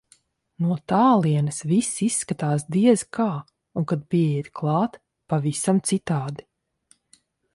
No tālienes viss izskatās, diez kā, un kad pieiet klāt - pavisam citādi.